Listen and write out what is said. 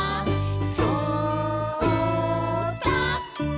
「そうだ！」